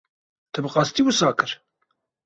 Te bi qesdî wisa kir?